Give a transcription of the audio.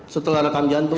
setelah rekam jantung